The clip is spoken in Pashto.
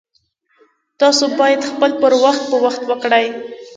تاسو باید خپل پر وخت په وخت وکړئ